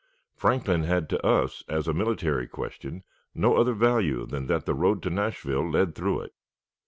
Franklin had to us, as a mere military question, no other value than that the road to Nashville led through it.